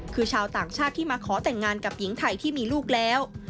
คือชาวต่างชาติที่มาขอแต่งงานกับหญิงไทยที่มีลูกแล้ว